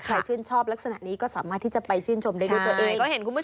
ชื่นชอบลักษณะนี้ก็สามารถที่จะไปชื่นชมได้ด้วยตัวเอง